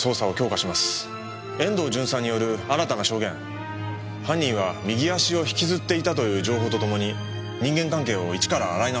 遠藤巡査による新たな証言犯人は右足を引きずっていたという情報とともに人間関係を一から洗い直します。